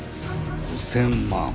５０００万